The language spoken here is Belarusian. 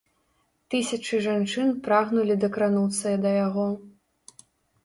Тысячы жанчын прагнулі дакрануцца да яго.